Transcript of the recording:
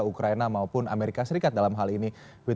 ukraina maupun amerika serikat dalam hal ini